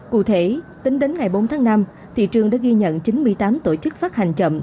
cụ thể tính đến ngày bốn tháng năm thị trường đã ghi nhận chín mươi tám tổ chức phát hành chậm